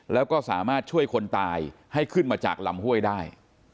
แล้วก็สามารถช่วยคนตายให้ขึ้นมาจากลำห้วยได้